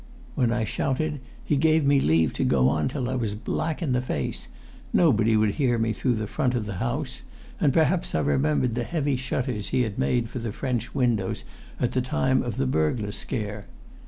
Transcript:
When I shouted he gave me leave to go on till I was black in the face; nobody would hear me through the front of the house, and perhaps I remembered the heavy shutters he had made for the French windows at the time of the burglar scare?